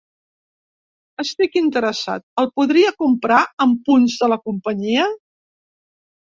Estic interessat, el podria comprar amb punts de la companyia?